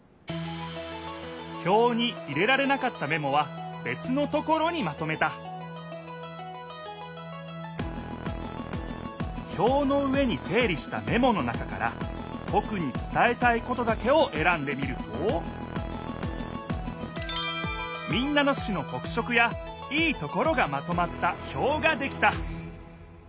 ひょうに入れられなかったメモはべつのところにまとめたひょうの上に整理したメモの中からとくにつたえたいことだけをえらんでみると民奈野市のとく色やいいところがまとまったひょうができた！